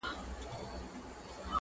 بیا هم په ګټه نه درځي